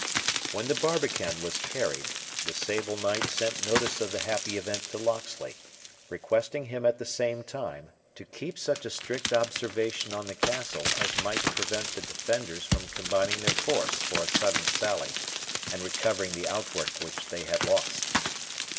When the barbican was carried, the Sable Knight sent notice of the happy event to Locksley, requesting him at the same time, to keep such a strict observation on the castle as might prevent the defenders from combining their force for a sudden sally, and recovering the outwork which they had lost.